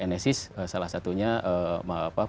nsis salah satunya produk yang sangat berharga